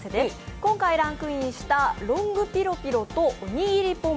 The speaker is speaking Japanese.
今回ランクインしたロングピロピロとおにぎりＰＯＮ！